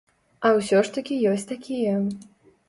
А ўсё ж такі ёсць такія.